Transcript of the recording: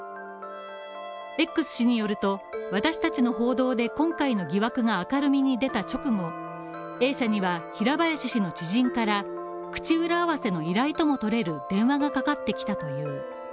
Ｘ氏によると、私達の報道で今回の疑惑が明るみに出た直後、Ａ社には平林氏の知人から口裏合わせの依頼とも取れる電話がかかってきたという。